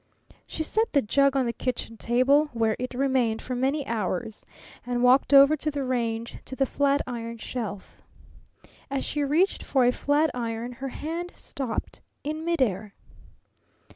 She set the jug on the kitchen table, where it remained for many hours, and walked over to the range, to the flatiron shelf. As she reached for a flatiron her hand stopped in midair.